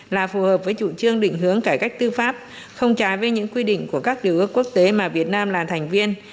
là phù hợp với chủ trương định hướng cải cách tư pháp không trái với những quy định của các điều ước quốc tế mà việt nam là thành viên